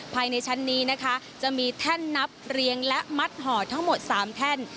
ภายในชั้นนี้นะคะจะมีแท่นนับเรียงและมัดห่อทั้งหมด๓แท่น